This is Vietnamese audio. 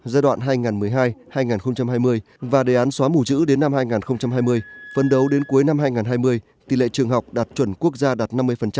giai đoạn hai nghìn một mươi hai hai nghìn hai mươi và đề án xóa mù chữ đến năm hai nghìn hai mươi phân đấu đến cuối năm hai nghìn hai mươi tỷ lệ trường học đạt chuẩn quốc gia đạt năm mươi